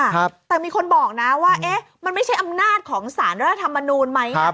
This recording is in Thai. ครับแต่มีคนบอกนะว่าเอ๊ะมันไม่ใช่อำนาจของสารรัฐธรรมนูลไหม